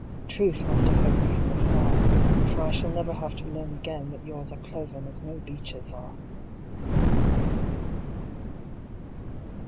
Truth must have heard me from afar, For I shall never have to learn again That yours are cloven as no beech's are.